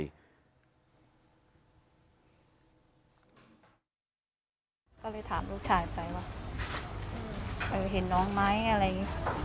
เลยถามลูกชายบอบ๕๐๐น้องอะไรเนี้ย